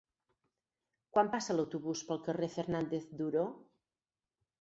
Quan passa l'autobús pel carrer Fernández Duró?